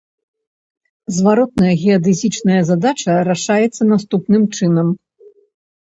Зваротная геадэзічная задача рашаецца наступным чынам.